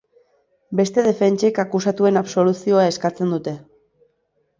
Beste defentsek akusatuen absoluzioa eskatzen dute.